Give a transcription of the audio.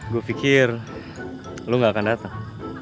gue pikir lo gak akan datang